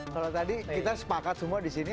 kalau tadi kita sepakat semua di sini